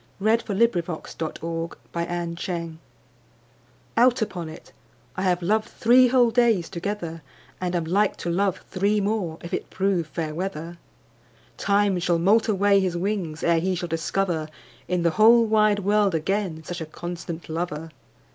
\ 218 Love and , Courtship OXIT UPON IT Out upon it> I have loved Three whole days together; And am like to love three more, If it prove fair weather. â¢ Time shall moult away his wings, Ere he shall discover In the whole wide world again Such a constant Lover.